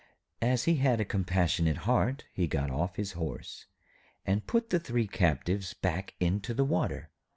As he had a compassionate heart, he got off his horse and put the three captives back into the water.